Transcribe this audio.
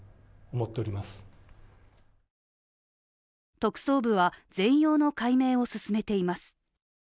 特捜部は全容の解明を進めています。